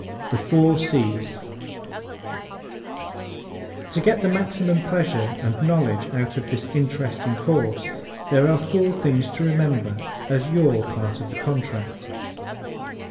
The Four C's ¶ To get the maximum of pleasure and knowledge out of this interesting course there are four things to remember as your part of the contract.